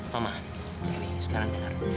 mama dewi sekarang denger